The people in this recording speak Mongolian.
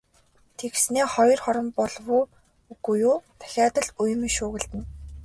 Тэгснээ хоёр хором болов уу, үгүй юу дахиад л үймэн шуугилдана.